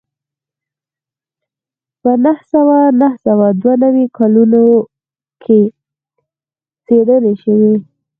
په نهه سوه نهه سوه دوه نوي کلونو کې څېړنې شوې